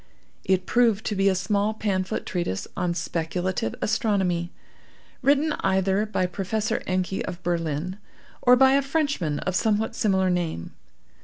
It proved to be a small pamphlet treatise on Speculative Astronomy, written either by Professor Encke of Berlin or by a Frenchman of somewhat similar name.